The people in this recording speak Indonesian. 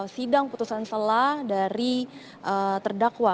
sidang putusan selah dari terdakwa